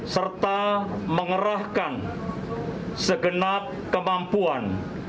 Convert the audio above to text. serta mengerahkan segenap kemampuan